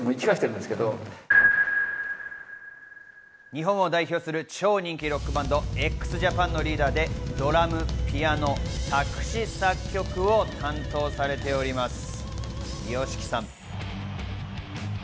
日本を代表する超人気ロックバンドＸＪＡＰＡＮのリーダーでドラム、ピアノ、作詞・作曲を担当されております、ＹＯＳＨＩＫＩさん。